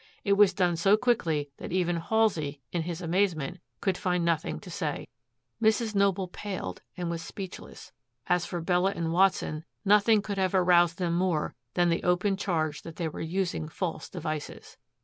It was done so quickly that even Halsey, in his amazement, could find nothing to say. Mrs. Noble paled and was speechless. As for Bella and Watson, nothing could have aroused them more than the open charge that they were using false devices.